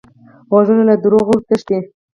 غوږونه له دروغو تښتي